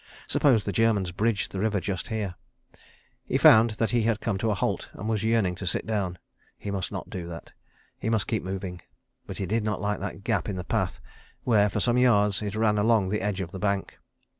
... Suppose the Germans bridged the river just here. ... He found that he had come to a halt and was yearning to sit down. ... He must not do that. He must keep moving. But he did not like that gap in the path where, for some yards, it ran along the edge of the bank.